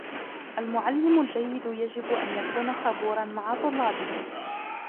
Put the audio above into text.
المعلم الجيد يجب ان يكون صبورا مع طلابه.